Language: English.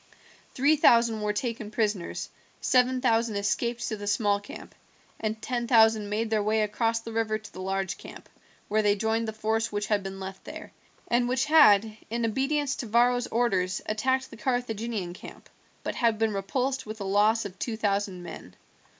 Three thousand were taken prisoners, seven thousand escaped to the small camp, and ten thousand made their way across the river to the large camp, where they joined the force which had been left there, and which had, in obedience to Varro's orders, attacked the Carthaginian camp, but had been repulsed with a loss of two thousand men.